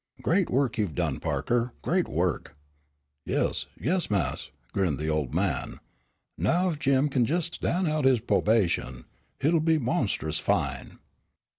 "Great work you've done, Parker, a great work." "Yes, yes, Mas'," grinned the old man, "now ef Jim can des' stan' out his p'obation, hit'll be montrous fine."